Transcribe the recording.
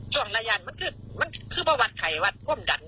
ส่วนละยานมันคือว่าวัดไข่วัดคว่ำดัน